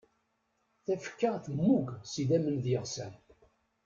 Tafekka tmmug s idamen d yeɣsan.